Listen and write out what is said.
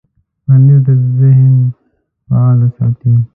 پنېر د ذهن فعاله ساتي.